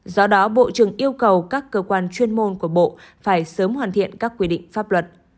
do đó bộ trưởng yêu cầu các cơ quan chuyên môn của bộ phải sớm hoàn thiện các quy định pháp luật